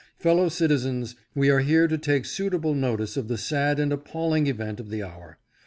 Fellow citizens, we are here to take suitable notice of the sad and appalling event of the hour.